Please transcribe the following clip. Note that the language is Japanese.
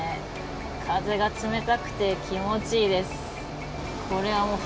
風が冷たくて、気持ちいいです。